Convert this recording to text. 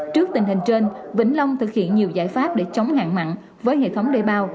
trước tình hình trên vĩnh long thực hiện nhiều giải pháp để chống hạn mặn với hệ thống đê bao